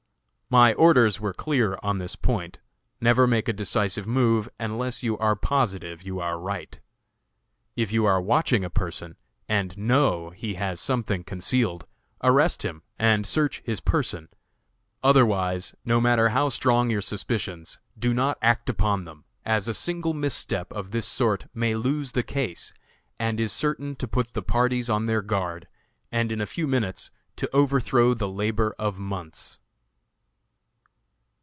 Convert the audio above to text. My orders were clear on this point never make a decisive move unless you are positive you are right. If you are watching a person, and know he has something concealed, arrest him and search his person; otherwise, no matter how strong your suspicions, do not act upon them, as a single misstep of this sort may lose the case, and is certain to put the parties on their guard, and in a few minutes to overthrow the labor of months.